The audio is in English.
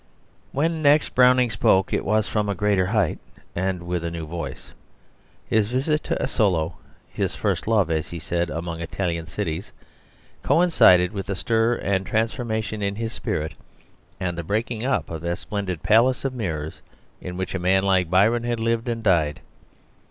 When next Browning spoke, it was from a greater height and with a new voice. His visit to Asolo, "his first love," as he said, "among Italian cities," coincided with the stir and transformation in his spirit and the breaking up of that splendid palace of mirrors in which a man like Byron had lived and died.